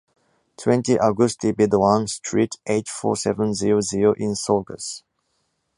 Twenty Auguste Bédoin street, eight-four-seven-zero-zero in Sorgues.